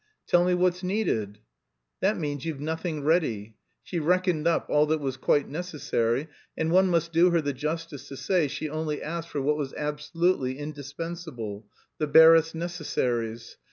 "Tell me what's needed?" "That means you've nothing ready." She reckoned up all that was quite necessary, and one must do her the justice to say she only asked for what was absolutely indispensable, the barest necessaries.